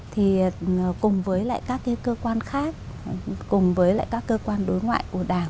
thì cùng với lại các cái cơ quan khác cùng với lại các cơ quan đối ngoại của đảng